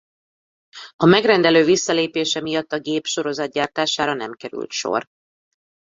A megrendelő visszalépése miatt a gép sorozatgyártására nem került sor.